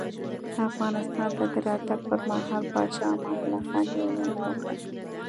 افغانستان ته د راتګ پر مهال پاچا امان الله خان یوه وینا وکړه.